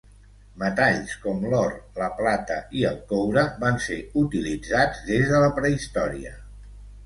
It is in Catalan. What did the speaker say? Metalls com l'or, la plata i el coure, van ser utilitzats des de la prehistòria.